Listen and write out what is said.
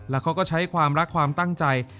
แล้วเขาก็ใช้ความรักความตั้งใจ